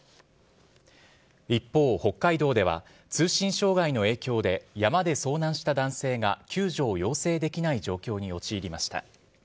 一方、北海道では通信障害の影響で、山で遭難した男性が救助を要請できない状況に陥りました。